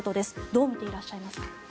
どう見ていらっしゃいますか。